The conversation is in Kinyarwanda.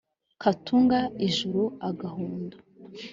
katunga ijuru-agahundo.